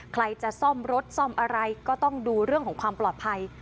ใครจะซ่อมรถซ่อมอะไรก็ต้องดูเรื่องของความปลอดภัย